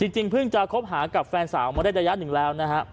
จริงเพิ่งจะคบหากับแฟนสาวมาได้ระยะหนึ่งแล้วนะฮะ